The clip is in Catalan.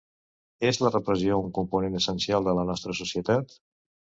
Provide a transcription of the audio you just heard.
És la repressió un component essencial de la nostra societat?